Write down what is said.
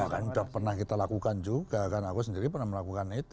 ya kan sudah pernah kita lakukan juga kan aku sendiri pernah melakukan itu